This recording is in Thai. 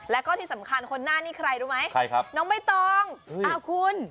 แล้วก็ที่สำคัญคนหน้านี้ใครรู้ไหมใครครับน้องใบตองอ้าวคุณ